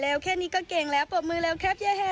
เร็วเข้า